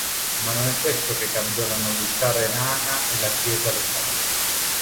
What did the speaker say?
Ma non è questo che cambiò la nobiltà renana e la Chiesa locale.